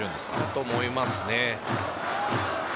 だと思いますね。